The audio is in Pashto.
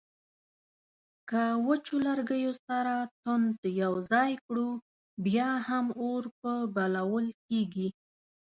که وچو لرګیو سره توند یو ځای کړو بیا هم اور په بلول کیږي